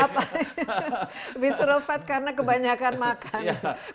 fisial fat karena kebanyakan makan